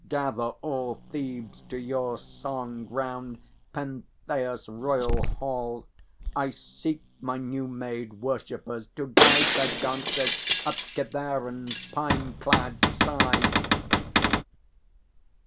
Gather all Thebes to your song round Pentheus' royal hall. I seek my new made worshippers, to guide Their dances up Kithaeron's pine clad side.